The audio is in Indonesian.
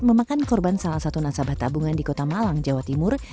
memakan korban salah satu nasabah tabungan di kota malang jawa timur